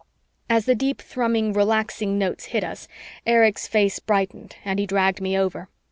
As the deep thrumming relaxing notes hit us, Erich's face brightened and he dragged me over.